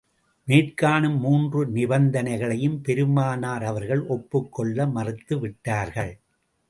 மேற்காணும் மூன்று நிபந்தனைகளையும் பெருமானார் அவர்கள் ஒப்புக் கொள்ள மறுத்து விட்டார்கள்.